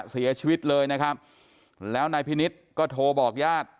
เสียชีวิตเลยนะครับแล้วนายพินิษฐ์ก็โทรบอกญาติ